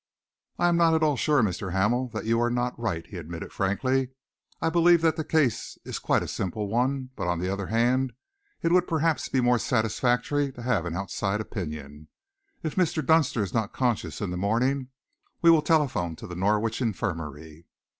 "I am not at all sure, Mr. Hamel, that you are not right," he admitted frankly. "I believe that the case is quite a simple one, but on the other hand it would perhaps be more satisfactory to have an outside opinion. If Mr. Dunster is not conscious in the morning, we will telephone to the Norwich Infirmary."